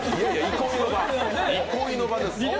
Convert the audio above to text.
憩いの場です。